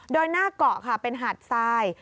โดยหน้าเกาะค่ะเป็นหาดทราย